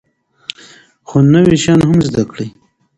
خو نوي شیان هم زده کړئ.